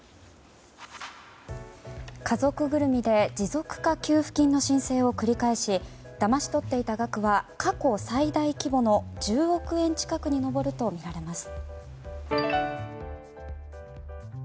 家族ぐるみで持続化給付金の申請を繰り返しだまし取っていた額は過去最大規模の１０億円近くに上るとみられます。